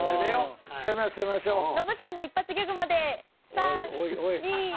ノブさんの一発ギャグまで３、２、１。